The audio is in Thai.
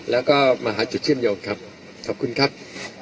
แล้วก็มหาจุดเชื่อมโยงครับขอบคุณครับ